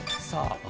さあ。